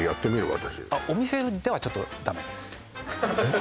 私お店ではちょっとダメですえっ？